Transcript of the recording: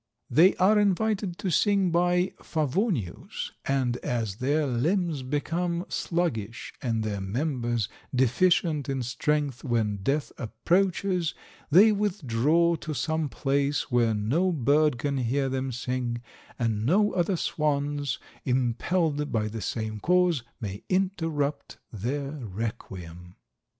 "They are invited to sing by Favonius, and as their limbs become sluggish and their members deficient in strength when death approaches, they withdraw to some place where no bird can hear them sing, and no other swans, impelled by the same cause, may interrupt their requiem."